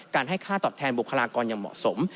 ให้ค่าตอบแทนบุคลากรอย่างเหมาะสม